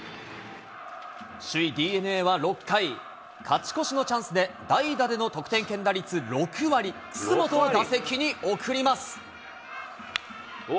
首位ＤｅＮＡは６回、勝ち越しのチャンスで代打での得点圏打率６割、楠本を打席に送ります。